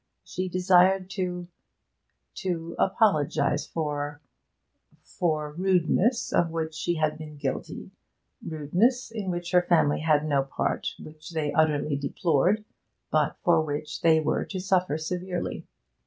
She desired to to apologise for for rudeness of which she had been guilty, rudeness in which her family had no part, which they utterly deplored, but for which they were to suffer severely.